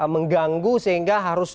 mengganggu sehingga harus